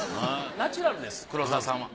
ナチュラルです黒沢さんは。